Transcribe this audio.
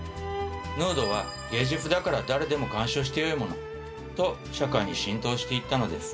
ヌードは芸術だから誰でも鑑賞してよいものと社会に浸透していったのです。